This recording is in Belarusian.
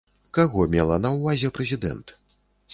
Каго мела на ўвазе прэзідэнт?